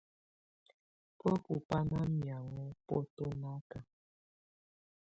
Bǝ́bu bá ná miaŋɔ bɔtɔnaka.